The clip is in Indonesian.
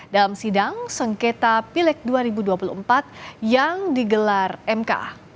dalam sidang sengketa pilek dua ribu dua puluh empat yang digelar mk